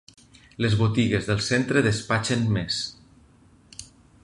Les botigues del centre despatxen més.